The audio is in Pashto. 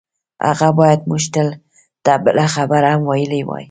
هغه بايد موږ ته بله خبره هم ويلي وای.